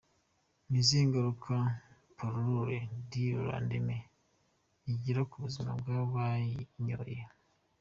Ni izihe ngaruka Pilule du lendemain igira ku buzima bw’uwayinyoye?.